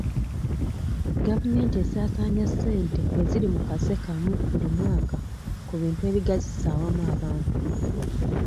Gavumenti esaasaanya ssente eziri mu kase kamu buli mwaka ku bintu ebigasiza awamu abantu.